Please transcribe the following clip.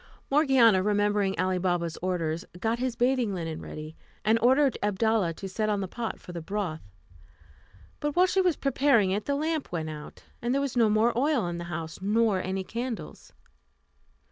Morgiana, remembering Ali Baba's orders, got his bathing linen ready, and ordered Abdalla to set on the pot for the broth; but while she was preparing it the lamp went out, and there was no more oil in the house, nor any candles.